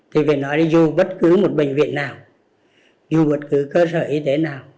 thì phải nói là vô bất cứ một bệnh viện nào vô bất cứ cơ sở y tế nào